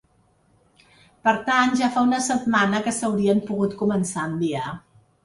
Per tant, ja fa una setmana que s’haurien pogut començar a enviar.